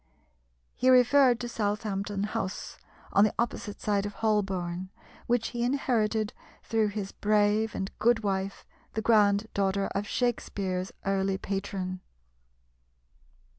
He referred to Southampton House, on the opposite side of Holborn, which he inherited through his brave and good wife, the grand daughter of Shakspere's early patron.